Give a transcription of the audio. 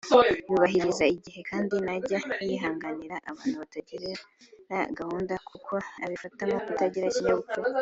yubahiriza igihe kandi ntajya yihanganira abantu batagira gahunda kuko abifata nko kutagira ikinyabupfura